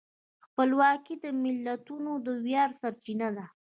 خپلواکي د ملتونو د ویاړ سرچینه ده.